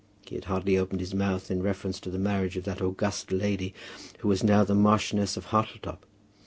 He had hardly opened his mouth in reference to the marriage of that August lady who was now the Marchioness of Hartletop.